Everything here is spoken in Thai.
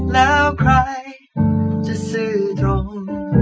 แล้วใครจะซื้อทง